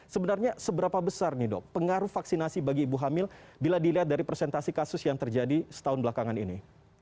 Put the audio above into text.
sebenarnya seberapa besar nih dok pengaruh vaksinasi bagi ibu hamil bila dilihat dari presentasi kasus yang terjadi setahun belakangan ini